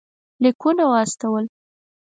لیکونه واستول.